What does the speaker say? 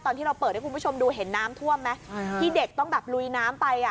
ตอนที่เราเปิดให้คุณผู้ชมดูเห็นน้ำท่วมไหมที่เด็กต้องแบบลุยน้ำไปอ่ะ